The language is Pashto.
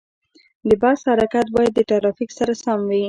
د بس حرکت باید د ترافیک سره سم وي.